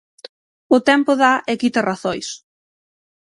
O tempo dá e quita razóns.